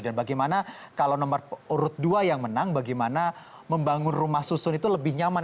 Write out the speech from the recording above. dan bagaimana kalau nomor urut dua yang menang bagaimana membangun rumah susun itu lebih nyaman